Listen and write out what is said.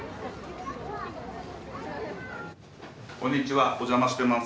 こんにちはお邪魔してます。